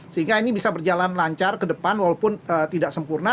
sehingga ini bisa berjalan lancar ke depan walaupun tidak sempurna